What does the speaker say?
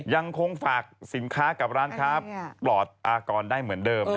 ยังคงฝากสินค้ากับร้านค้าปลอดอากรได้เหมือนเดิม